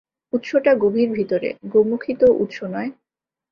উৎসটা গভীর ভিতরে, গোমুখী তো উৎস নয়।